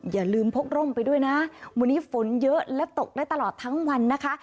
อย่าลืมพกร่มไปด้วยนะวันนี้ฝนเยอะและตกได้ตลอดทั้งวันนะคะ